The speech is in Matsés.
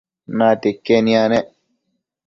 natia iquen yanec